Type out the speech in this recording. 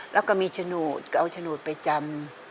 แล้วก็มีฉนูดเอาฉนูดไปจำ